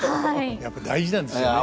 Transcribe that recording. やっぱり大事なんですよね。